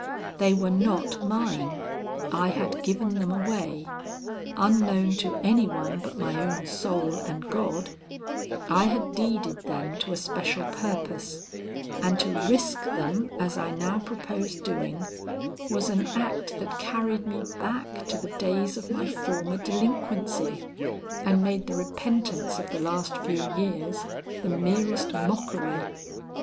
They were not mine. I had given them away. Unknown to any one but my own soul and God, I had deeded them to a special purpose, and to risk them as I now proposed doing, was an act that carried me back to the days of my former delinquency, and made the repentance of the last few years the merest mockery.